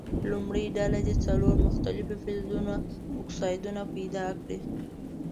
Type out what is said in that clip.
لومړۍ ډله دې څلور مختلفو فلزونو اکسایدونه پیداکړي.